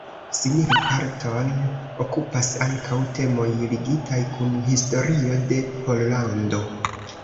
Signifan parton okupas ankaŭ temoj ligitaj kun historio de Pollando.